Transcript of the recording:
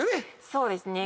そうですね。